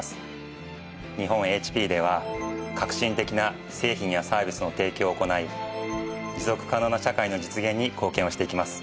日本ＨＰでは革新的な製品やサービスの提供を行い持続可能な社会の実現に貢献をしていきます。